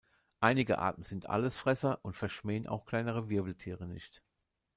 Einige Arten sind Allesfresser und verschmähen auch kleinere Wirbeltiere nicht.